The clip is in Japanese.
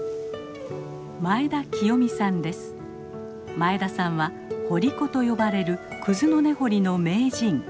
前田さんは「掘り子」と呼ばれるクズの根掘りの名人。